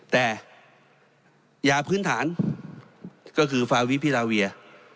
แต่ยาพื้นฐานก็คือฟาวิพิราเวีย